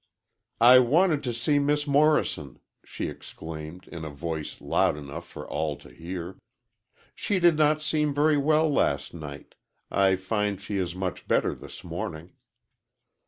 "I wanted to see Miss Morrison," she exclaimed, in a voice loud enough for all to hear. "She did not seem very well last night. I find she is much better this morning."